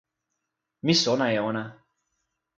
mi sona e ona.